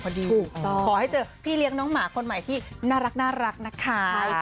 ขอให้เจอพี่เลี้ยงน้องหมาคนใหม่ที่น่ารักนะคะ